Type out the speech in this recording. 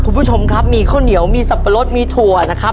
คุณผู้ชมครับมีข้าวเหนียวมีสับปะรดมีถั่วนะครับ